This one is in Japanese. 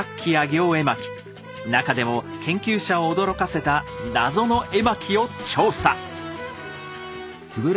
なかでも研究者を驚かせた謎の絵巻を調査！